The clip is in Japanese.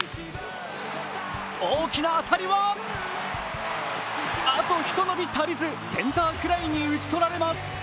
大きな当たりはあとひと伸び足りずセンターフライに打ち取られます。